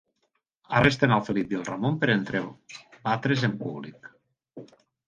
Arresten al Felip i el Ramon per entrebatre's en públic.